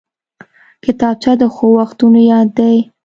کتابچه د ښو وختونو یاد دی